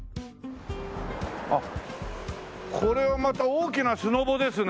あっこれはまた大きなスノボですね。